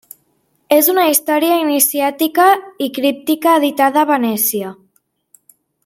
És una història iniciàtica i críptica editada a Venècia.